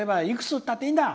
打ったっていいんだ！